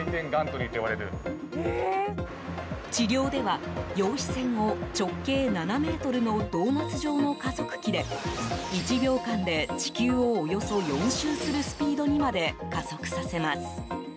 治療では、陽子線を直径７ｍのドーナツ状の加速器で１秒間で地球をおよそ４周するスピードにまで加速させます。